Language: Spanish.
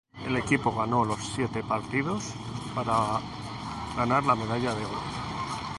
El equipo ganó los siete partidos para ganar la medalla de oro.